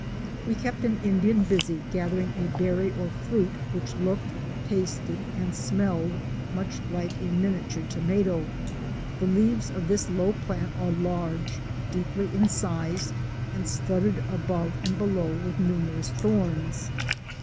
We kept an Indian busy gathering a berry or fruit which looked, tasted and smelled much like a miniature tomato. The leaves of this low plant are large, deeply incised and studded above and below with numerous thorns.